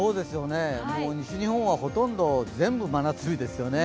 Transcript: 西日本はほとんど、全部真夏日ですよね。